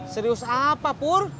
serius apa pur